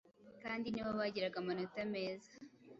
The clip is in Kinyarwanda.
kandi ni bo bagiraga amanota meza